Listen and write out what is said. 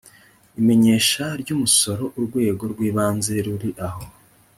imenyesha ry umusoro urwego rw ibanze ruri aho